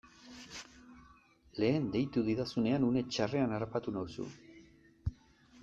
Lehen deitu didazunean une txarrean harrapatu nauzu.